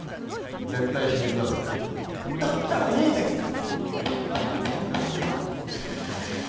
絶対秘密だぞだったらいいですから！